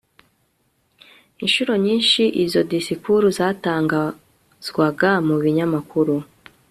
incuro nyinshi izo disikuru zatangazwaga mu binyamakuru